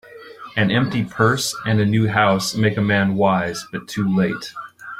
An empty purse, and a new house, make a man wise, but too late